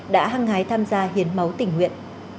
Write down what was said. đã hăng hái tham gia hiến máu tỉnh nguyện